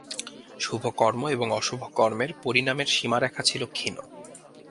শুভ কর্ম এবং অশুভ কর্মের পরিণামের সীমারেখা ছিল ক্ষীণ।